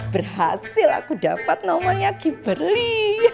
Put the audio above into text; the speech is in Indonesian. berhasil aku dapat nomornya kimberly